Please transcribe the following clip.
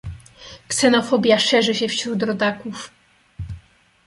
Ksenofobia szerzy się wśród rodaków.